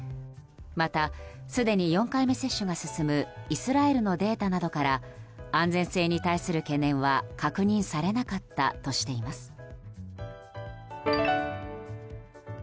また、すでに４回目接種が進むイスラエルのデータなどから安全性に対する懸念は確認されなかったとしています。